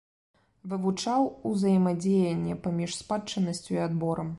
Вывучаў узаемадзеянне паміж спадчыннасцю і адборам.